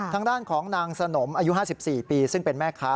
ทางด้านของนางสนมอายุ๕๔ปีซึ่งเป็นแม่ค้า